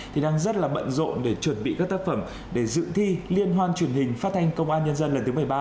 thì đang rất là bận rộn để chuẩn bị các tác phẩm để dự thi liên hoan truyền hình phát thanh công an nhân dân lần thứ một mươi ba